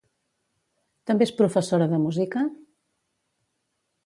També és professora de música?